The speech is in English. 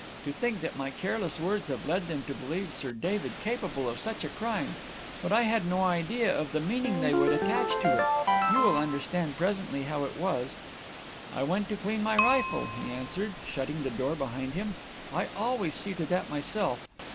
To think that my careless words have led them to believe Sir David capable of such a crime! But I had no idea of the meaning they would attach to it. You will understand presently how it was. 'I went to clean my rifle,' he answered, shutting the door behind him. 'I always see to that myself.